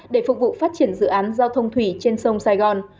để phục vụ phát triển dự án giao thông thủy trên sông sài gòn